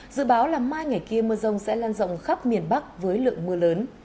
dự báo là mai ngày kia mưa rông sẽ lan rộng khắp miền bắc với lượng mưa lớn